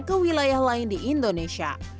ke wilayah lain di indonesia